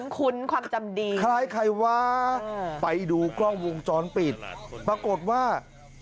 คล้ายว้า